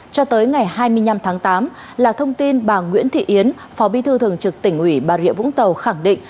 cho tới ngày hai mươi năm tháng tám là thông tin bà nguyễn thị yến phó bí thư thường trực tỉnh ủy bà rịa vũng tàu khẳng định